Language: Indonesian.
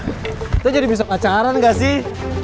kita jadi besok pacaran gak sih